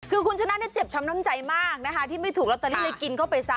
คือคุณชนะเจ็บช้ำน้ำใจมากนะคะที่ไม่ถูกลอตเตอรี่เลยกินเข้าไปซะ